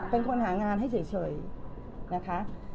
เป็นคนหางานให้เฉยนะคะ